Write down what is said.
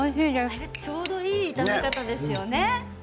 ちょうどいい炒め方ですよね。